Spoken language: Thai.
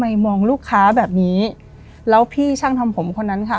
มองลูกค้าแบบนี้แล้วพี่ช่างทำผมคนนั้นค่ะ